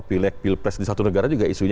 pilek pilpres di satu negara juga isunya